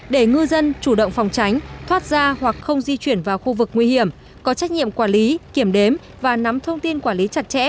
để ngư dân chủ động phòng tránh thoát ra hoặc không di chuyển vào khu vực nguy hiểm có trách nhiệm quản lý kiểm đếm và nắm thông tin quản lý chặt chẽ